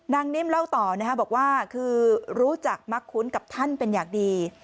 นิ่มเล่าต่อบอกว่าคือรู้จักมักคุ้นกับท่านเป็นอย่างดี